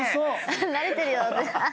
「慣れてるよ」